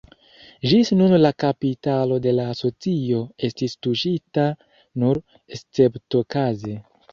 Ĝis nun la kapitalo de la asocio estis tuŝita nur esceptokaze.